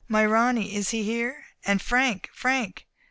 "My Ronny; is he here? And Frank — Frank?"